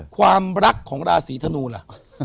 ความรักของราศีธนูล่ะ